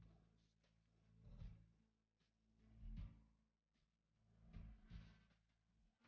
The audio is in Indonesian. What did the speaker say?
ibu selalu ada di sebelah kamu